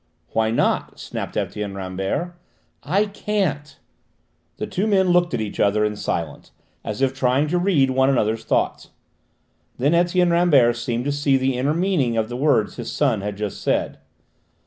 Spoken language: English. "Why not?" snapped Etienne Rambert. "I can't." The two men looked at each other in silence, as if trying to read one another's thoughts. Then Etienne Rambert seemed to see the inner meaning of the words his son had just said.